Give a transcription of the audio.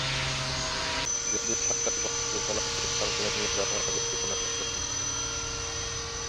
যদিও সরকারের পক্ষ থেকে বলা হচ্ছে, ফরমালিনের ব্যবহার আগের তুলনায় অনেকটা কমেছে।